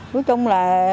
cuối chung là